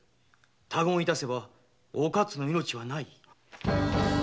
「他言いたせばお勝の命はない」くそっ！